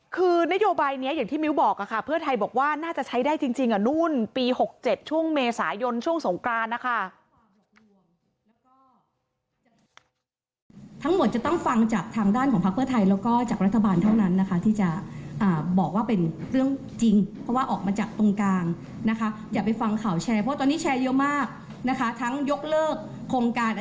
คือนโยบายนี้อย่างที่มิ้วบอกค่ะเพื่อไทยบอกว่าน่าจะใช้ได้จริงนู่นปี๖๗ช่วงเมษายนช่วงสงกรานนะคะ